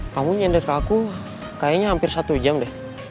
kamu nyender kaku kayaknya hampir satu jam deh